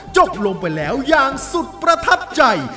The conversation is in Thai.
จบลงไปแล้วอย่างสุดประทับใจ